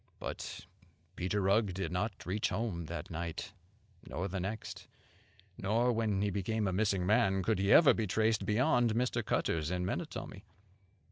But Peter Rugg did not reach home that night, nor the next; nor, when he became a missing man, could he ever be traced beyond Mr. Cutter's in Menotomy.